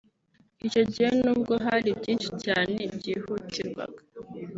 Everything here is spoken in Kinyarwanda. Icyo gihe n’ubwo hari byinshi cyane byihutirwaga